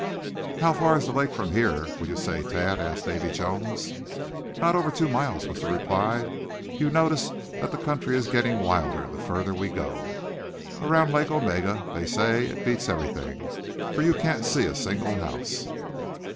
"How far is the lake from here, would you say, Thad?" asked Davy Jones. "Not over two miles," was the reply. "You notice that the country is getting wilder the further we go. And around Lake Omega they say it beats everything, for you can't see a single house."